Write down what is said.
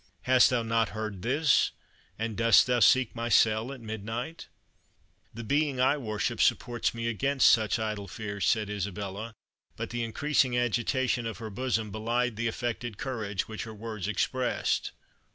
Hast thou not heard this And dost thou seek my cell at midnight?" "The Being I worship supports me against such idle fears," said Isabella; but the increasing agitation of her bosom belied the affected courage which her words expressed.